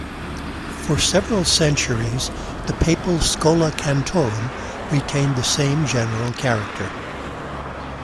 For several centuries the papal "schola cantorum" retained the same general character.